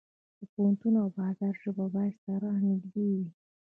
د پوهنتون او بازار ژبه باید سره نږدې وي.